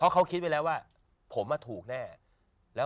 เขาคิดดูว่า